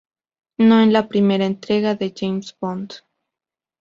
No en la primera entrega de James Bond.